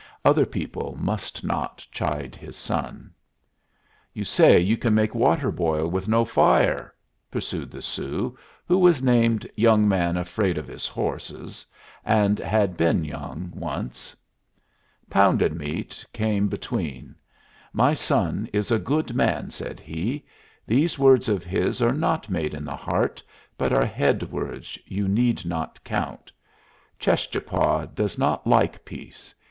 Other people must not chide his son. "You say you can make water boil with no fire?" pursued the Sioux, who was named Young man afraid of his horses, and had been young once. Pounded Meat came between. "My son is a good man," said he. "These words of his are not made in the heart, but are head words you need not count. Cheschapah does not like peace.